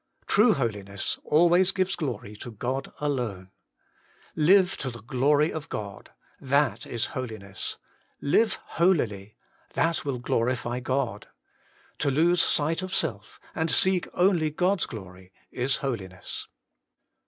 True holiness always gives glory to God alone. Live to the glory of God : that Is holiness. Live holily : that wilt glorify God. To lose sight of self, and seek only God's glory, is holiness.